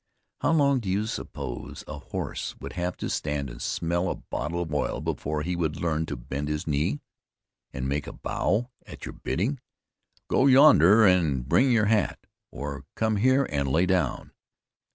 How long do you suppose a horse would have to stand and smell of a bottle of oil before he would learn to bend his knee and make a bow at your bidding, "go yonder and bring your hat," or "come here and lay down?"